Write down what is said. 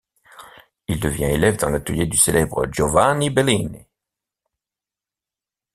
Il devint élève dans l'atelier du célèbre Giovanni Bellini.